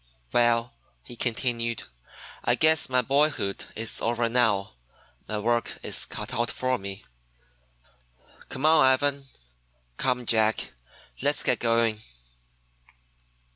"Well," he continued, "I guess my boyhood is over now. My work is cut out for me. Come on, Ivan, come Jack, let's get going!"